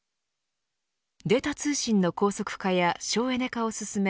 データ通信の高速化や省エネ化をすすめ